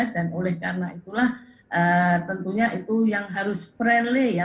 dan oleh karena itulah tentunya itu yang harus friendly ya